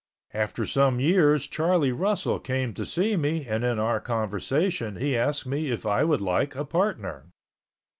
After some years Charlie Russell came to see me and in our conversation he asked me if I would like a partner.